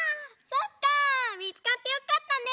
そっかみつかってよかったね！